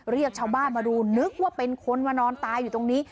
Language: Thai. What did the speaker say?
เรียกชาวบ้านมาดูนึกว่าเป็นคนมานอนตายอยู่ตรงนี้